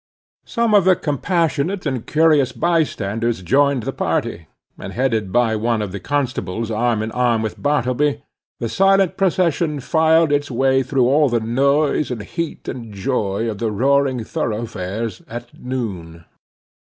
Some of the compassionate and curious bystanders joined the party; and headed by one of the constables arm in arm with Bartleby, the silent procession filed its way through all the noise, and heat, and joy of the roaring thoroughfares at noon.